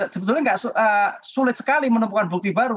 sebetulnya sulit sekali menemukan bukti baru